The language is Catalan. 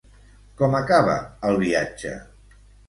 Com acaba el viatge?